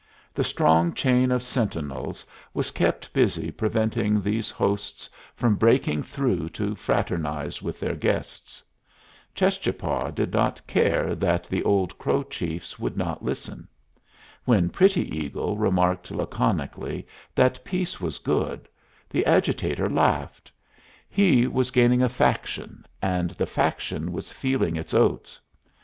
The strong chain of sentinels was kept busy preventing these hosts from breaking through to fraternize with their guests. Cheschapah did not care that the old Crow chiefs would not listen. When Pretty Eagle remarked laconically that peace was good, the agitator laughed; he was gaining a faction, and the faction was feeling its oats.